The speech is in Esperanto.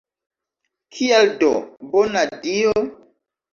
Kial do, bona Dio?